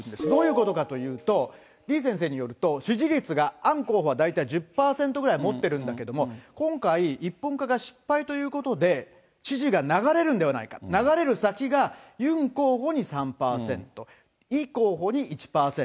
どういうことかというと、李先生によると、支持率が、アン候補が大体１０％くらい持っているんだけれども、今回、一本化が失敗ということで、支持が流れるんではないか、流れる先が、ユン候補に３％、イ候補に１％。